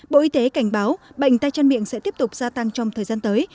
bộ y tế cảnh báo bệnh tay chân miệng sẽ tiếp tục gia tăng trong thời gian tới